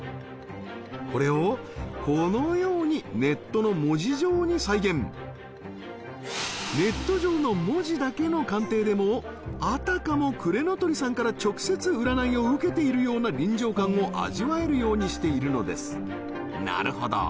これをこのようにネット上の文字だけの鑑定でもあたかも暮れの酉さんから直接占いを受けているような臨場感を味わえるようにしているのですなるほど！